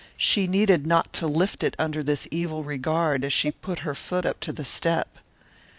She needed not to lift it under this evil regard as she put her foot up to the step.